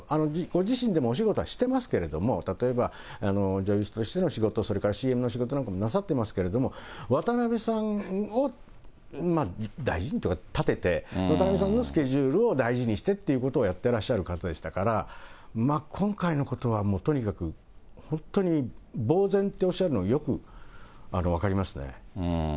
ご自身でもお仕事はしてますけど、例えば、女優としての仕事、それからＣＭの仕事なんかもなさってますけれども、渡辺さんを大事にというか、立てて、渡辺さんのスケジュールを大事にしてってことをやってらっしゃる方でしたから、今回のことは、もうとにかく、本当にぼう然とおっしゃるのがよく分かりますね。